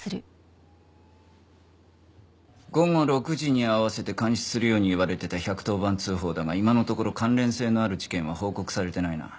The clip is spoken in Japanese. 午後６時に合わせて監視するように言われてた１１０番通報だが今のところ関連性のある事件は報告されてないな。